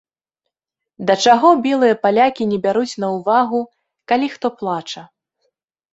Да чаго белыя палякі не бяруць на ўвагу, калі хто плача.